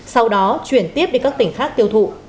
sau đó chuyển tiếp đi các tỉnh khác tiêu thụ